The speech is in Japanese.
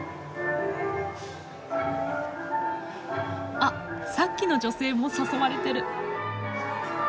あっさっきの女性も誘われてる。